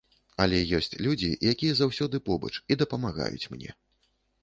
Але ёсць людзі, якія заўсёды побач і дапамагаюць мне.